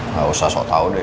gak usah sok tau deh